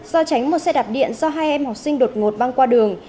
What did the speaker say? do tránh một xe đạp điện do hai em học sinh đột ngột băng qua đường